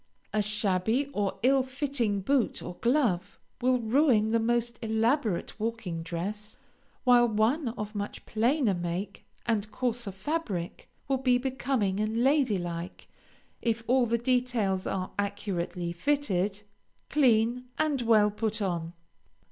A shabby or ill fitting boot or glove will ruin the most elaborate walking dress, while one of much plainer make and coarser fabric will be becoming and lady like, if all the details are accurately fitted, clean, and well put on.